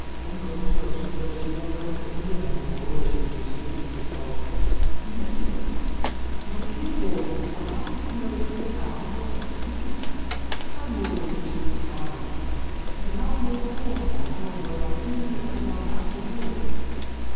"Uncle Judge says you don't come to see him A Lost Lady any more as you used to, Mrs, Forrester. He misses it." "My dear boy, I haven't been over to the town for six weeks. I'm always too tired. We have no horse now, and when I do go I have to walk.